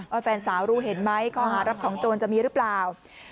แฟนสาวรู้เห็นไหมข้อหารับของโจรจะมีหรือเปล่า